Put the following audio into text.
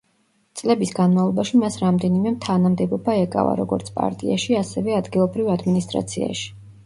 წლების განმავლობაში მას რამდენიმე თანამდებობა ეკავა, როგორც პარტიაში, ასევე ადგილობრივ ადმინისტრაციაში.